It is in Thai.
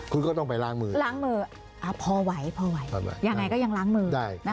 คุณก็ต้องไปล้างมือพอไหวอย่างไรก็ยังล้างมือ